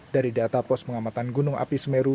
dari data pos pengamatan gunung api semeru